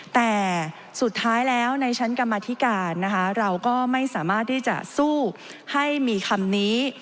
แต่สุดท้ายแล้วในชั้นกรรมธิการนะคะเราก็ไม่สามารถที่จะสู้ให้มีคำนี้